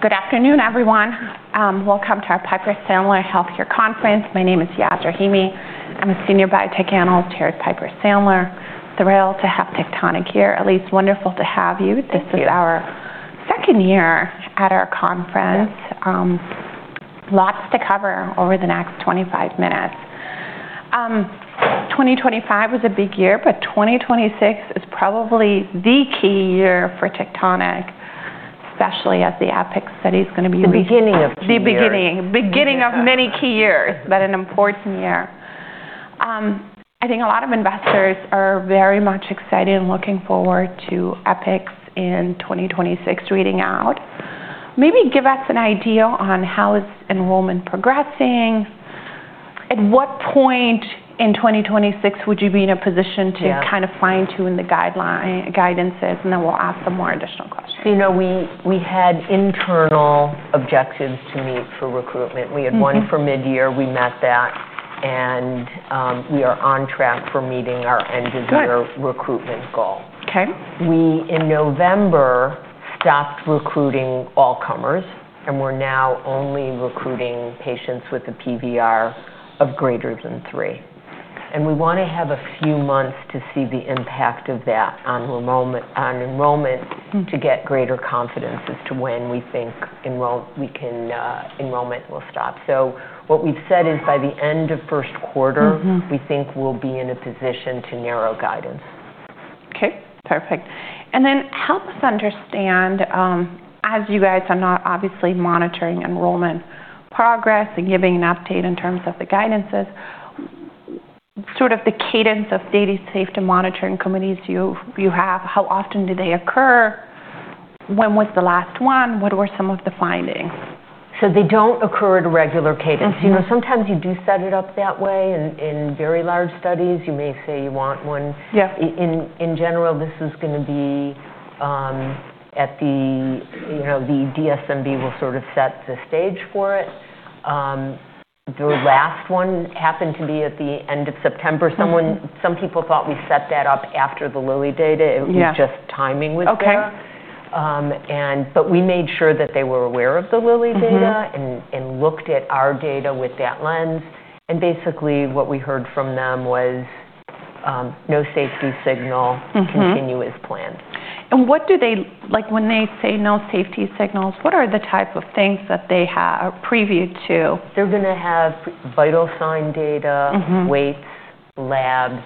Good afternoon, everyone. Welcome to our Piper Sandler Healthcare Conference. My name is Yaz Rahimi. I'm a Senior Biotech Analyst here at Piper Sandler. Thrilled to have Tectonic here. Alise, wonderful to have you. This is our second year at our conference. Lots to cover over the next 25 minutes. 2025 was a big year, but 2026 is probably the key year for Tectonic, especially as the APEX study is going to be the beginning of two years. The beginning. Beginning of many key years. But an important year. I think a lot of investors are very much excited and looking forward to APEX in 2026 reading out. Maybe give us an idea on how is enrollment progressing? At what point in 2026 would you be in a position to kind of fine-tune the guidelines? And then we'll ask some more additional questions. You know, we had internal objectives to meet for recruitment. We had one for mid-year. We met that, and we are on track for meeting our end-of-year recruitment goal. We, in November, stopped recruiting all comers, and we're now only recruiting patients with a PVR of greater than three. And we want to have a few months to see the impact of that on enrollment to get greater confidence as to when we think enrollment will stop. So what we've said is by the end of first quarter, we think we'll be in a position to narrow guidance. Okay, perfect. And then help us understand, as you guys are not obviously monitoring enrollment progress and giving an update in terms of the guidances, sort of the cadence of data safety monitoring committees you have. How often do they occur? When was the last one? What were some of the findings? So they don't occur at a regular cadence. You know, sometimes you do set it up that way. In very large studies, you may say you want one. In general, this is going to be at the DSMB will sort of set the stage for it. The last one happened to be at the end of September. Some people thought we set that up after the Eli Lilly data. It was just timing was better. But we made sure that they were aware of the Eli Lilly data and looked at our data with that lens. And basically, what we heard from them was no safety signal, continuous plan. What do they like when they say no safety signals? What are the type of things that they have previewed to? They're going to have vital sign data, weights, labs,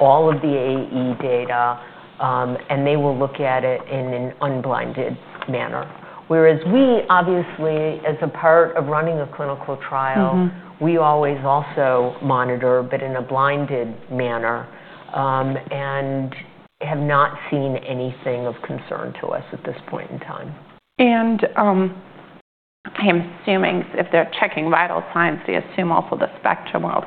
all of the AE data, and they will look at it in an unblinded manner. Whereas we, obviously, as a part of running a clinical trial, we always also monitor, but in a blinded manner, and have not seen anything of concern to us at this point in time. I am assuming if they're checking vital signs, they assume also the spectrum of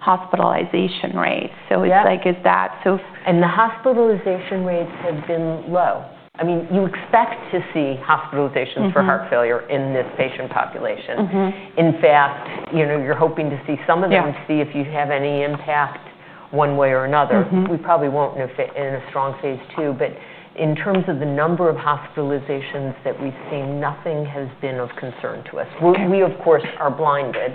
hospitalization rates, so it's like, is that so? And the hospitalization rates have been low. I mean, you expect to see hospitalizations for heart failure in this patient population. In fact, you know, you're hoping to see some of them and see if you have any impact one way or another. We probably won't in a strong phase II. But in terms of the number of hospitalizations that we've seen, nothing has been of concern to us. We, of course, are blinded.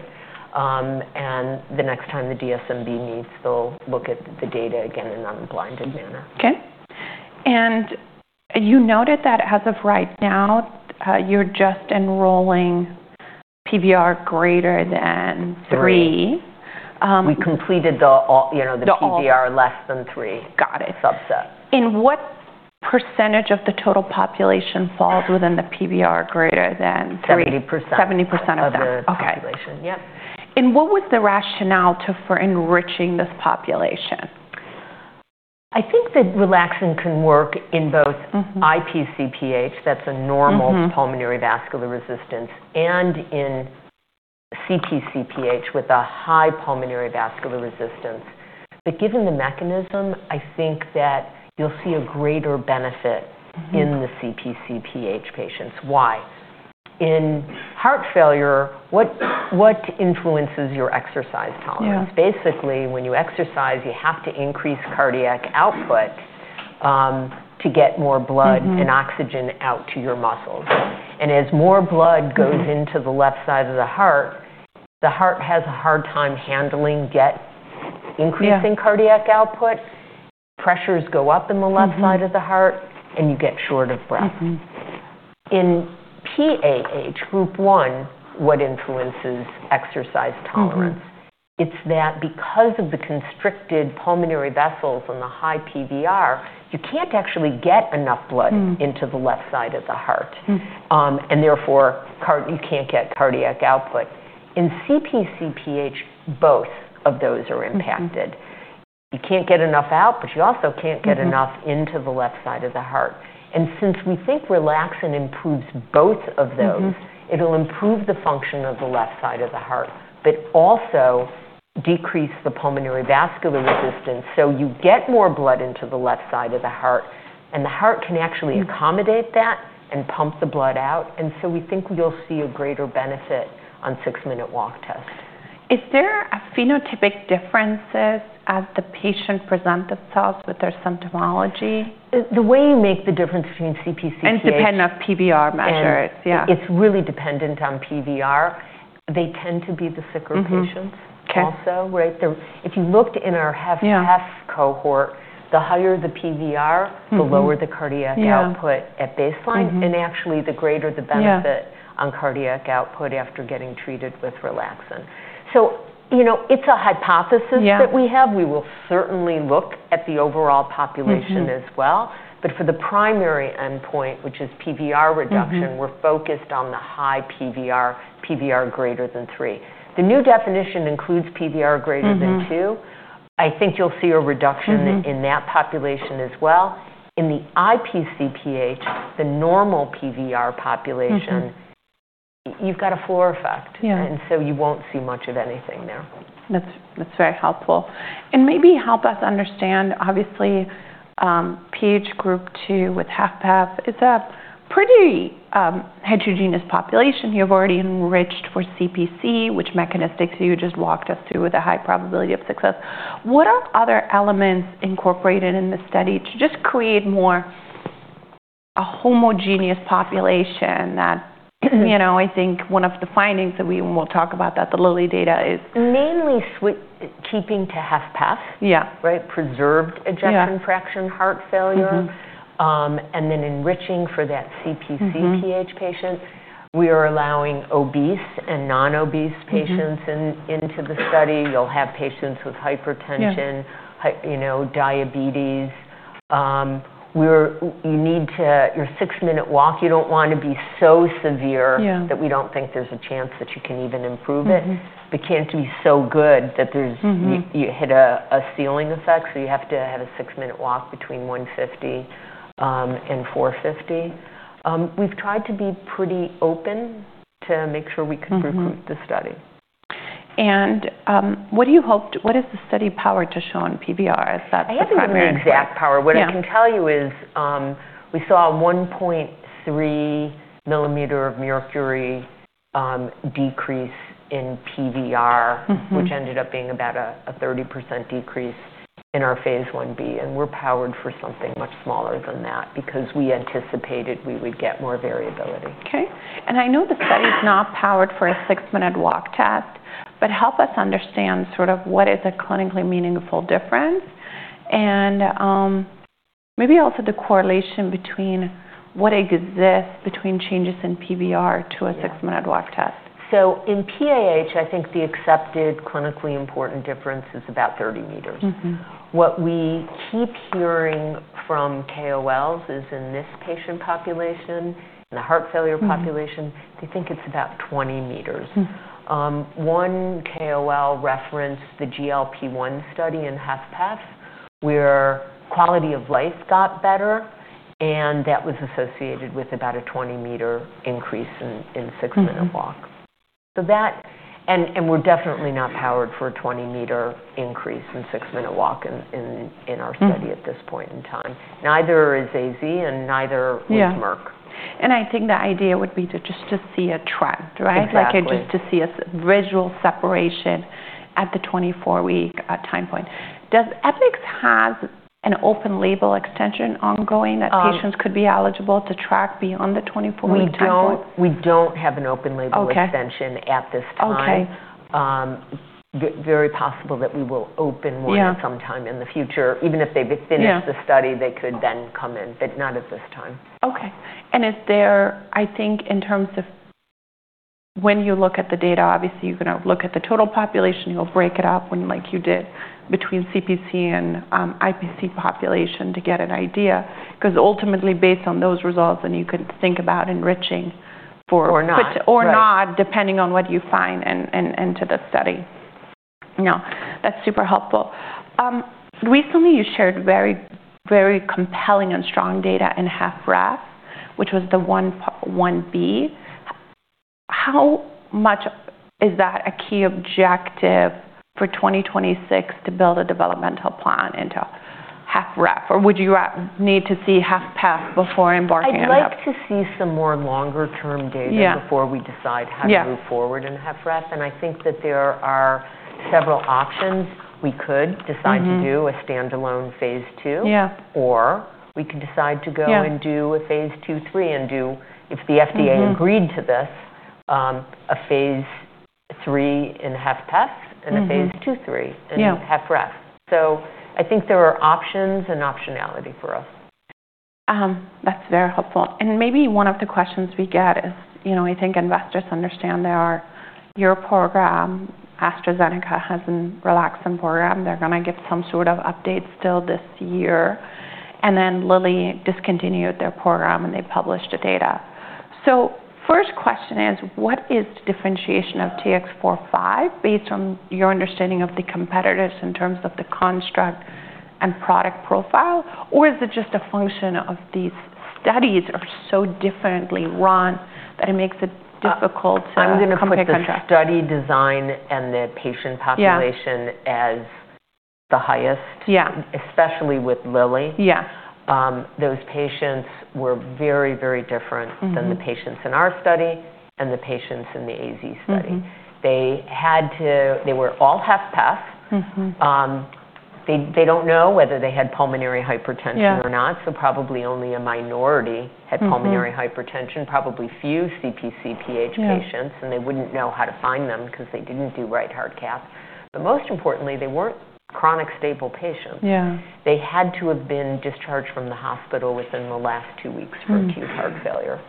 And the next time the DSMB meets, they'll look at the data again in an unblinded manner. Okay. And you noted that as of right now, you're just enrolling PVR greater than three. We completed the PVR less than three subset. Got it. And what percentage of the total population falls within the PVR greater than three? 70%. 70% of the population. Okay, yep. What was the rationale for enriching this population? I think that relaxin can work in both IpcPH, that's a normal pulmonary vascular resistance, and in CpcPH with a high pulmonary vascular resistance. But given the mechanism, I think that you'll see a greater benefit in the CpcPH patients. Why? In heart failure, what influences your exercise tolerance? Basically, when you exercise, you have to increase cardiac output to get more blood and oxygen out to your muscles. And as more blood goes into the left side of the heart, the heart has a hard time handling increasing cardiac output. Pressures go up in the left side of the heart, and you get short of breath. In PAH, Group 1, what influences exercise tolerance? It's that because of the constricted pulmonary vessels and the high PVR, you can't actually get enough blood into the left side of the heart. And therefore, you can't get cardiac output. In CpcPH, both of those are impacted. You can't get enough out, but you also can't get enough into the left side of the heart. And since we think relaxin improves both of those, it'll improve the function of the left side of the heart, but also decrease the pulmonary vascular resistance. So you get more blood into the left side of the heart, and the heart can actually accommodate that and pump the blood out. And so we think you'll see a greater benefit on six-minute walk tests. Is there a phenotypic difference as the patient presents themselves with their symptomatology? The way you make the difference between CpcPH and PVR. Depends on PVR measures. Yeah. It's really dependent on PVR. They tend to be the sicker patients also. If you looked in our HFpEF cohort, the higher the PVR, the lower the cardiac output at baseline. And actually, the greater the benefit on cardiac output after getting treated with Relaxin. So, you know, it's a hypothesis that we have. We will certainly look at the overall population as well. But for the primary endpoint, which is PVR reduction, we're focused on the high PVR, PVR greater than three. The new definition includes PVR greater than two. I think you'll see a reduction in that population as well. In the IpcPH, the normal PVR population, you've got a floor effect. And so you won't see much of anything there. That's very helpful. And maybe help us understand, obviously, PH Group 2 with HFpEF is a pretty heterogeneous population. You've already enriched for CpcPH, which mechanics you just walked us through with a high probability of success. What are other elements incorporated in the study to just create more a homogeneous population that, you know, I think one of the findings that we will talk about that the Eli Lilly data is. Mainly keeping to HFpEF. Yeah. Right? Preserved ejection fraction heart failure. And then enriching for that CpcPH patient. We are allowing obese and non-obese patients into the study. You'll have patients with hypertension, you know, diabetes. You need to, your six-minute walk, you don't want to be so severe that we don't think there's a chance that you can even improve it. But can't be so good that you hit a ceiling effect. So you have to have a six-minute walk between 150 and 450. We've tried to be pretty open to make sure we can recruit the study. And what do you hope? What is the study power to show on PVR? I have no exact p-value. What I can tell you is we saw a 1.3 millimeter of mercury decrease in PVR, which ended up being about a 30% decrease in our phase 1b. And we're powered for something much smaller than that because we anticipated we would get more variability. Okay. And I know the study is not powered for a six-minute walk test, but help us understand sort of what is a clinically meaningful difference? And maybe also the correlation that exists between changes in PVR and a Six-Minute Walk Test? In PAH, I think the accepted clinically important difference is about 30 meters. What we keep hearing from KOLs is in this patient population, in the heart failure population, they think it's about 20 meters. One KOL referenced the GLP-1 study in HFpEF where quality of life got better, and that was associated with about a 20-meter increase in six-minute walk. And we're definitely not powered for a 20-meter increase in six-minute walk in our study at this point in time. Neither is AZ and neither was Merck. I think the idea would be to just see a trend, right? Like just to see a visual separation at the 24-week time point. Does APEX have an open label extension ongoing that patients could be eligible to track beyond the 24-week time point? We don't have an open label extension at this time. Very possible that we will open one sometime in the future. Even if they've finished the study, they could then come in, but not at this time. Okay. And is there, I think, in terms of when you look at the data, obviously you're going to look at the total population. You'll break it up like you did between CPC and IPC population to get an idea. Because ultimately, based on those results, then you can think about enriching for. Or not. Or not, depending on what you find in the study. Now, that's super helpful. Recently, you shared very, very compelling and strong data in HFrEF, which was the 1b. How much is that a key objective for 2026 to build a developmental plan in HFrEF? Or would you need to see HFpEF before embarking on that? I'd like to see some more longer-term data before we decide how to move forward in HFrEF. I think that there are several options. We could decide to do a standalone phase II, or we could decide to go and do a phase II/III, and do, if the FDA agreed to this, a phase III in HFpEF and a phase II/III in HFrEF. I think there are options and optionality for us. That's very helpful. And maybe one of the questions we get is, you know, I think investors understand there are your program, AstraZeneca has a relaxin program. They're going to get some sort of update still this year. And then Eli Lilly discontinued their program and they published the data. So first question is, what is the differentiation of TX45 based on your understanding of the competitors in terms of the construct and product profile? Or is it just a function of these studies are so differently run that it makes it difficult to compare? I'm going to put the study design and the patient population as the highest, especially with Eli Lilly. Yeah, those patients were very, very different than the patients in our study and the patients in the AZ study. They were all half-half. They don't know whether they had pulmonary hypertension or not. So probably only a minority had pulmonary hypertension, probably few CpcPH patients. And they wouldn't know how to find them because they didn't do right heart cath. But most importantly, they weren't chronic stable patients. They had to have been discharged from the hospital within the last two weeks for acute heart failure.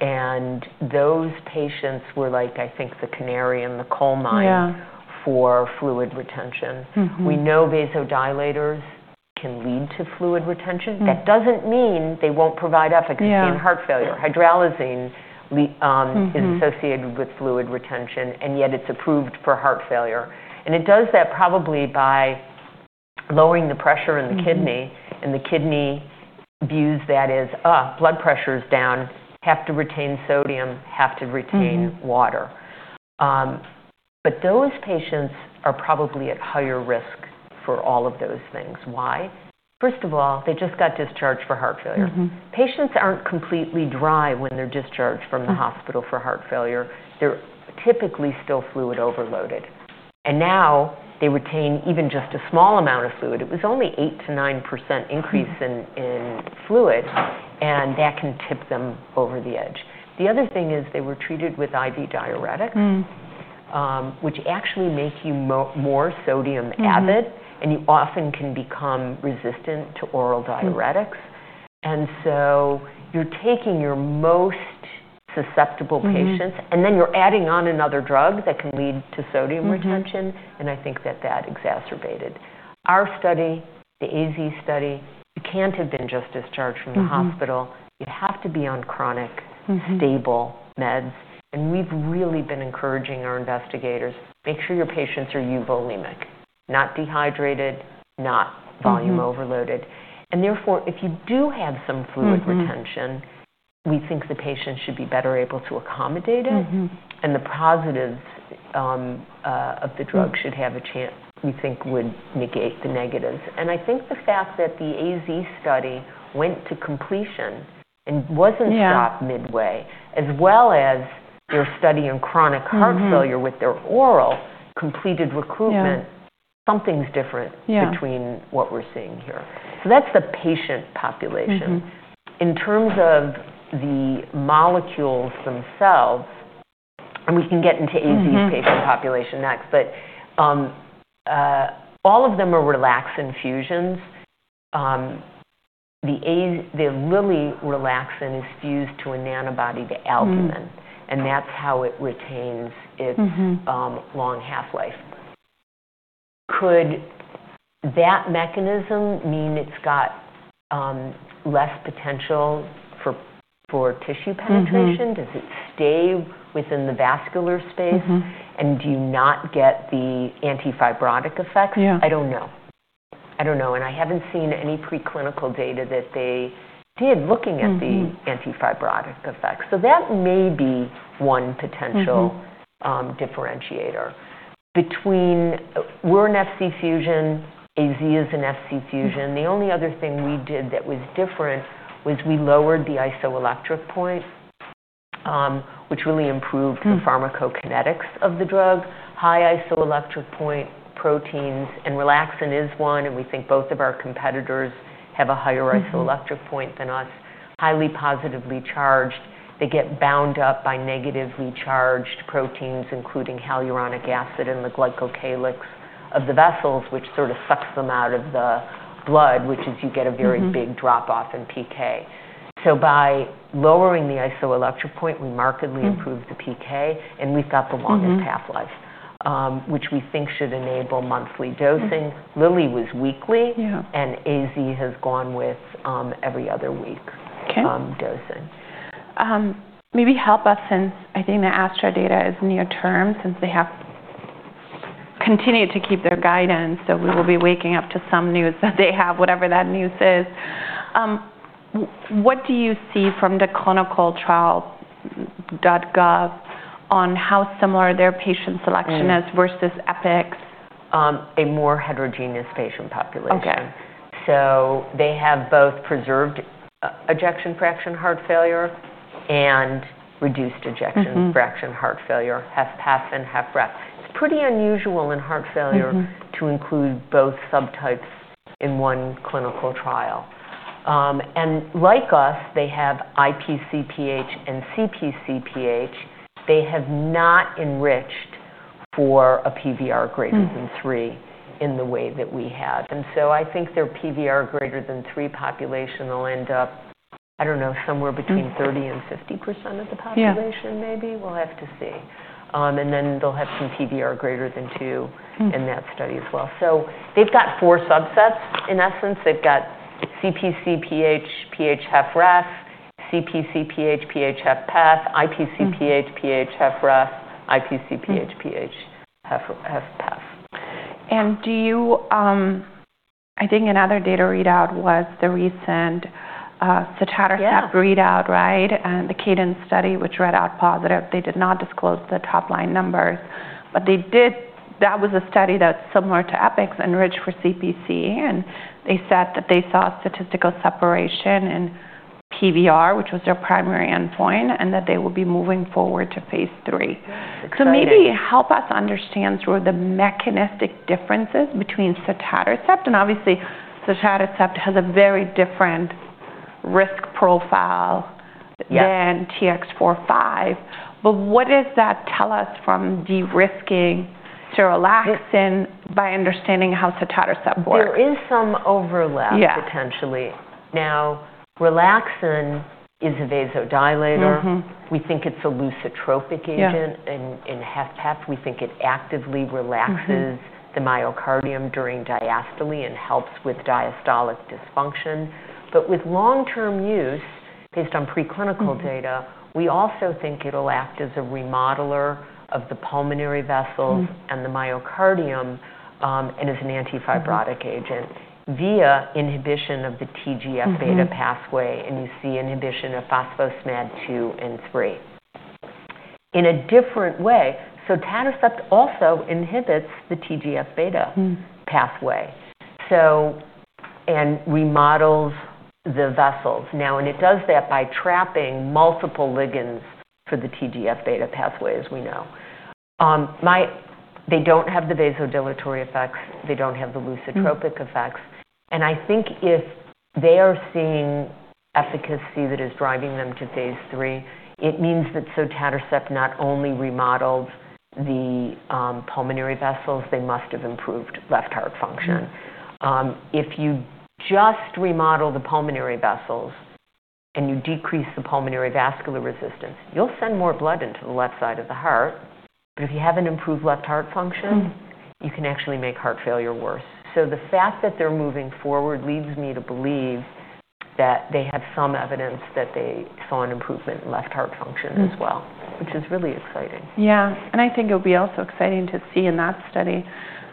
And those patients were like, I think, the canary in the coal mine for fluid retention. We know vasodilators can lead to fluid retention. That doesn't mean they won't provide efficacy in heart failure. Hydralazine is associated with fluid retention, and yet it's approved for heart failure, and it does that probably by lowering the pressure in the kidney. The kidney views that as, oh, blood pressure is down, have to retain sodium, have to retain water, but those patients are probably at higher risk for all of those things. Why? First of all, they just got discharged for heart failure. Patients aren't completely dry when they're discharged from the hospital for heart failure. They're typically still fluid overloaded, and now they retain even just a small amount of fluid. It was only 8%-9% increase in fluid, and that can tip them over the edge. The other thing is they were treated with IV diuretics, which actually make you more sodium avid, and you often can become resistant to oral diuretics. And so you're taking your most susceptible patients, and then you're adding on another drug that can lead to sodium retention. And I think that that exacerbated our study, the AZ study. You can't have been just discharged from the hospital. You have to be on chronic stable meds. And we've really been encouraging our investigators, make sure your patients are euvolemic, not dehydrated, not volume overloaded. And therefore, if you do have some fluid retention, we think the patient should be better able to accommodate it. And the positives of the drug should have a chance, we think, would negate the negatives. And I think the fact that the AZ study went to completion and wasn't stopped midway, as well as your study in chronic heart failure with their oral completed recruitment, something's different between what we're seeing here. So that's the patient population. In terms of the molecules themselves, and we can get into AZ patient population next, but all of them are relaxin fusions. The Eli Lilly relaxin is fused to an antibody to albumin, and that's how it retains its long half-life. Could that mechanism mean it's got less potential for tissue penetration? Does it stay within the vascular space? And do you not get the antifibrotic effects? I don't know. I don't know. And I haven't seen any preclinical data that they did looking at the antifibrotic effects. So that may be one potential differentiator. Between we're an Fc fusion, AZ is an Fc-fusion. The only other thing we did that was different was we lowered the isoelectric point, which really improved the pharmacokinetics of the drug. High isoelectric point proteins and relaxin is one, and we think both of our competitors have a higher isoelectric point than us. Highly positively charged, they get bound up by negatively charged proteins, including hyaluronic acid and the glycocalyx of the vessels, which sort of sucks them out of the blood, which is you get a very big drop-off in PK. So by lowering the isoelectric point, we markedly improved the PK, and we've got the longest half-life, which we think should enable monthly dosing. Eli Lilly was weekly, and AZ has gone with every other week dosing. Maybe help us, since I think the Astra data is near term since they have continued to keep their guidance. So we will be waking up to some news that they have, whatever that news is. What do you see from ClinicalTrials.gov on how similar their patient selection is versus APEX? A more heterogeneous patient population, so they have both preserved ejection fraction heart failure and reduced ejection fraction heart failure, HFpEF and HFrEF. It's pretty unusual in heart failure to include both subtypes in one clinical trial, and like us, they have IpcPH and CpcPH. They have not enriched for a PVR greater than three in the way that we have, and so I think their PVR greater than three population will end up, I don't know, somewhere between 30%-50% of the population, maybe. We'll have to see, and then they'll have some PVR greater than two in that study as well, so they've got four subsets. In essence, they've got CpcPH PH HFrEF, CpcPH PH HFpEF, IpcPH PH HFrEF, IpcPH PH HFpEF. And do you, I think another data readout was the recent Sotatercept readout, right? And the Cadence study, which read out positive, they did not disclose the top line numbers. But they did, that was a study that's similar to APEX enriched for CpcPH. And they said that they saw statistical separation in PVR, which was their primary endpoint, and that they will be moving forward to phase III. So maybe help us understand through the mechanistic differences between Sotatercept. And obviously, Sotatercept has a very different risk profile than TX45. But what does that tell us from de-risking Sotatercept by understanding how Sotatercept works? There is some overlap potentially. Now, relaxin is a vasodilator. We think it's a lusitropic agent in HFpEF. We think it actively relaxes the myocardium during diastole and helps with diastolic dysfunction. But with long-term use, based on preclinical data, we also think it'll act as a remodeler of the pulmonary vessels and the myocardium and is an antifibrotic agent via inhibition of the TGF-β pathway. And you see inhibition of phospho-Smad2/3 in a different way. Sotatercept also inhibits the TGF-β pathway and remodels the vessels. Now, and it does that by trapping multiple ligands for the TGF-β pathway, as we know. They don't have the vasodilatory effects. They don't have the lusitropic effects. And I think if they are seeing efficacy that is driving them to phase III, it means that Sotatercept not only remodels the pulmonary vessels, they must have improved left heart function. If you just remodel the pulmonary vessels and you decrease the pulmonary vascular resistance, you'll send more blood into the left side of the heart. But if you haven't improved left heart function, you can actually make heart failure worse. So the fact that they're moving forward leads me to believe that they have some evidence that they saw an improvement in left heart function as well, which is really exciting. Yeah. And I think it would be also exciting to see in that study.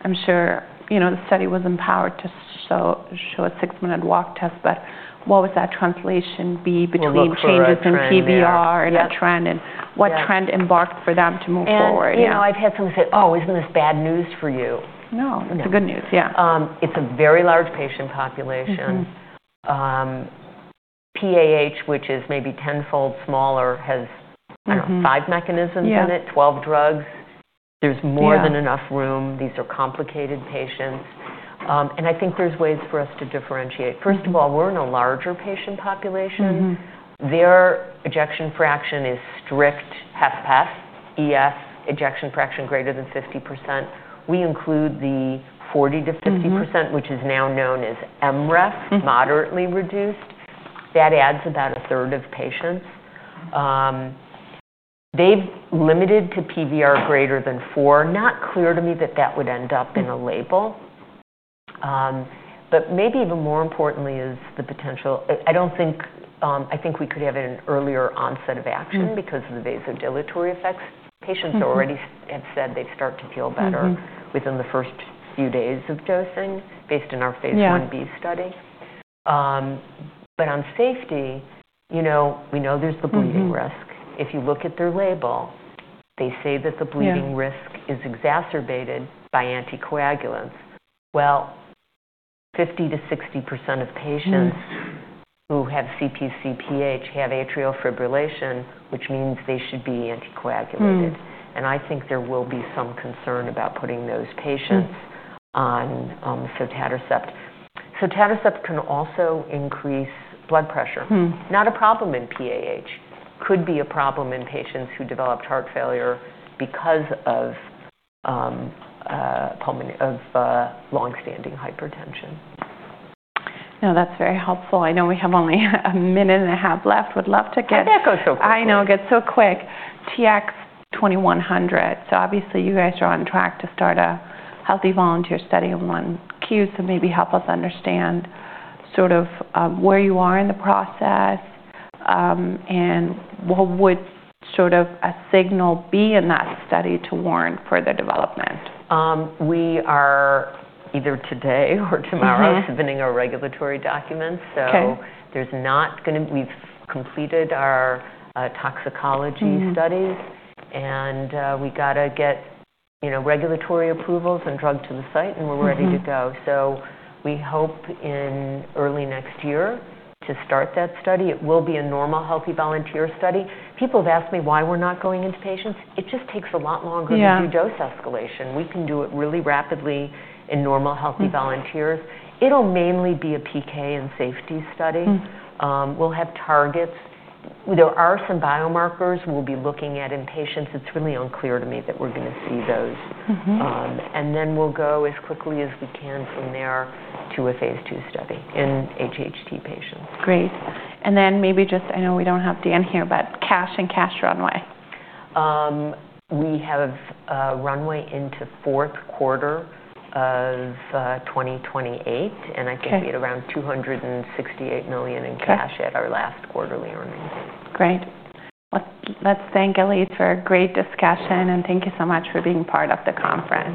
I'm sure, you know, the study was empowered to show a six-minute walk test, but what was that translation be between changes in PVR and the trend? And what trend embarked for them to move forward? You know, I've had someone say, oh, isn't this bad news for you? No, it's good news. Yeah. It's a very large patient population. PAH, which is maybe tenfold smaller, has five mechanisms in it, 12 drugs. There's more than enough room. These are complicated patients. And I think there's ways for us to differentiate. First of all, we're in a larger patient population. Their ejection fraction is strict HFpEF, EF, ejection fraction greater than 50%. We include the 40%-50%, which is now known as HFmrEF, moderately reduced. That adds about a third of patients. They've limited to PVR greater than four. Not clear to me that that would end up in a label. But maybe even more importantly is the potential. I don't think we could have an earlier onset of action because of the vasodilatory effects. Patients already have said they start to feel better within the first few days of dosing based on our phase 1b study. But on safety, you know, we know there's the bleeding risk. If you look at their label, they say that the bleeding risk is exacerbated by anticoagulants. Well, 50%-60% of patients who have CpcPH have atrial fibrillation, which means they should be anticoagulated. And I think there will be some concern about putting those patients on Sotatercept. Sotatercept can also increase blood pressure. Not a problem in PAH. Could be a problem in patients who developed heart failure because of longstanding hypertension. No, that's very helpful. I know we have only a minute and a half left. Would love to get. I think that goes so quick. I know, it gets so quick. TX2100. So obviously, you guys are on track to start a healthy volunteer study in 1Q. So maybe help us understand sort of where you are in the process and what would sort of a signal be in that study to warrant further development? We are either today or tomorrow submitting our regulatory documents. So there's not going to be. We've completed our toxicology studies and we got to get, you know, regulatory approvals and drug to the site and we're ready to go. So we hope in early next year to start that study. It will be a normal healthy volunteer study. People have asked me why we're not going into patients. It just takes a lot longer to do dose escalation. We can do it really rapidly in normal healthy volunteers. It'll mainly be a PK and safety study. We'll have targets. There are some biomarkers we'll be looking at in patients. It's really unclear to me that we're going to see those. And then we'll go as quickly as we can from there to a phase II study in HHT patients. Great, and then maybe just, I know we don't have Dan here, but cash and cash runway. We have a runway into fourth quarter of 2028, and I think we had around $268 million in cash at our last quarterly earnings. Great. Let's thank Alise for a great discussion and thank you so much for being part of the conference.